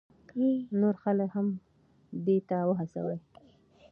نور خلک هم دې ته وهڅوئ.